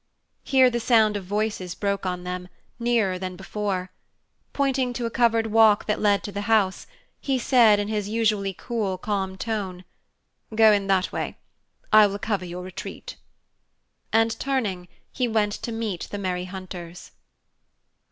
Here the sound of voices broke on them, nearer than before. Pointing to a covered walk that led to the house, he said, in his usually cool, calm tone, "Go in that way; I will cover your retreat." And turning, he went to meet the merry hunters.